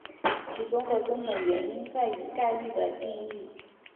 其中的根本原因在于概率的定义。